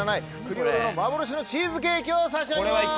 クリオロの幻のチーズケーキを差し上げます。